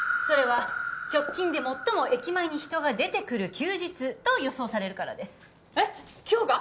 それは直近で最も駅前に人が出てくる休日と予想されるからですえっ